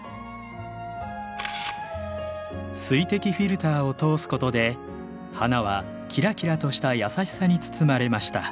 水滴フィルターを通すことで花はきらきらとしたやさしさに包まれました。